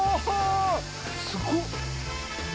すごっ！